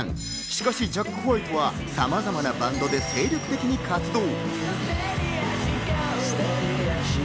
しかしジャック・ホワイトはさまざまなバンドで精力的に活動。